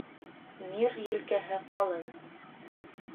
Мир елкәһе ҡалын.